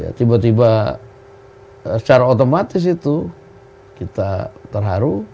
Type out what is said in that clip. ya tiba tiba secara otomatis itu kita terharu